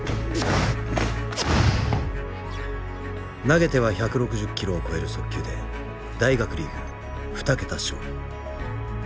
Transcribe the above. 投げては１６０キロを超える速球で大学リーグ２桁勝利。